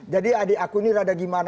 jadi adik aku ini rada gimana